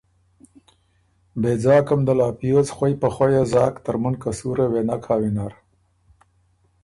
”بیځاکه م دل ا پیوز خوئ په خوَیه زاک، ترمُن قصوره وې نک هۀ وینر“